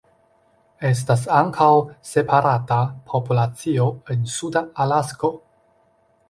Estas ankaŭ separata populacio en Suda Alasko.